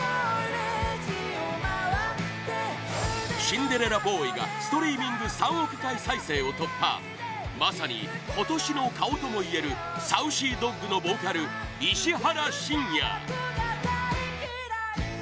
「シンデレラボーイ」がストリーミング３億回再生を突破まさに今年の顔とも言えるＳａｕｃｙＤｏｇのボーカル石原慎也